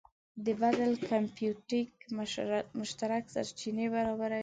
د بادل کمپیوټینګ مشترک سرچینې برابروي.